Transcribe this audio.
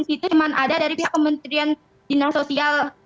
itu cuman ada dari pihak pemerintahan dinas sosial